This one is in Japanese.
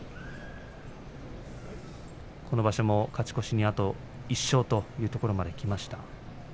この場所も勝ち越しにあと１勝というところまできました。